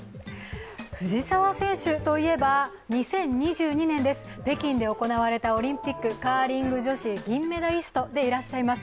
藤澤選手といえば２０２２年です、北京で行われたオリンピックカーリング女子銀メダリストでいらっしゃいます。